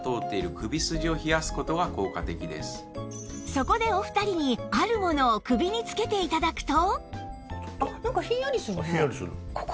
そこでお二人にあるものを首につけて頂くと